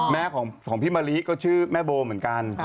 แม่ของพี่มะลิก็ชื่อแม่โบเหมือนกัน